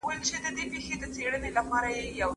غرکه هرڅومره لوړ وي، پر سر یې لارې شته.